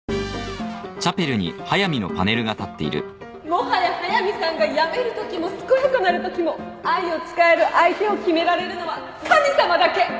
もはや速見さんが病めるときも健やかなるときも愛を誓える相手を決められるのは神様だけ！